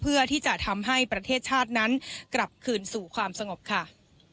เพื่อที่จะทำให้ประเทศชาตินั้นกลับคืนสู่ความสงบค่ะ